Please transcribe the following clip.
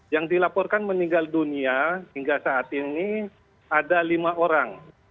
yang dilaporkan meninggal dunia hingga saat ini ada lima orang